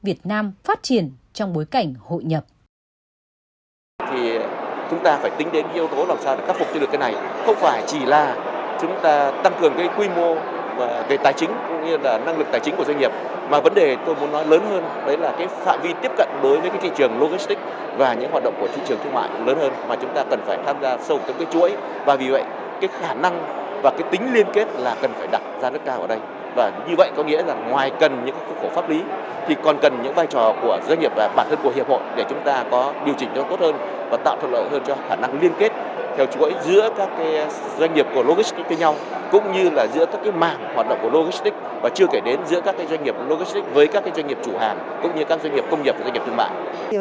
và chưa kể đến giữa các doanh nghiệp logistics với các doanh nghiệp chủ hàng cũng như các doanh nghiệp công nghiệp và doanh nghiệp thương mại